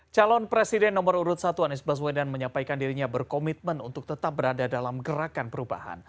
calon presiden nomor urut satu anies baswedan menyampaikan dirinya berkomitmen untuk tetap berada dalam gerakan perubahan